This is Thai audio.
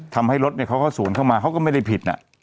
ทำให้รถเขาก็สวนเข้ามาเขาก็ไม่ได้ผิด